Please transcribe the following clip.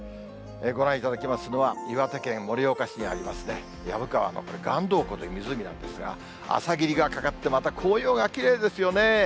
ご覧いただきますのは、岩手県盛岡市にあります、薮川のばんどう湖という湖なんですが、朝霧がかかって、また紅葉がきれいですよね。